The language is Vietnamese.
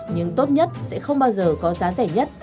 nhưng tốt nhất sẽ không bao giờ có giá rẻ nhất